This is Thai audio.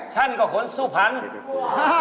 ฉันก็คนสู่พันธุ์